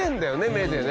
目でね。